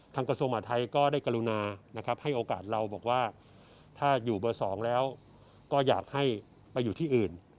กระทรวงมหาทัยก็ได้กรุณานะครับให้โอกาสเราบอกว่าถ้าอยู่เบอร์๒แล้วก็อยากให้ไปอยู่ที่อื่น